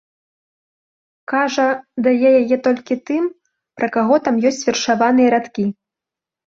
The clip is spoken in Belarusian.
Кажа, дае яе толькі тым, пра каго там ёсць вершаваныя радкі.